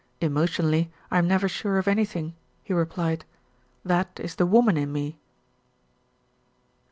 "Emotionally, I am never sure of anything," he replied. "That is the woman in me."